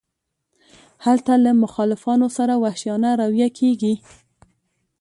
هلته له مخالفانو سره وحشیانه رویه کیږي.